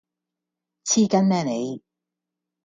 黐筋咩你